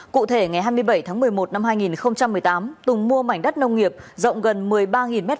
cụ thể ngày hai mươi bảy tháng một mươi một năm hai nghìn một mươi tám tùng mua mảnh đất nông nghiệp rộng gần một mươi ba m hai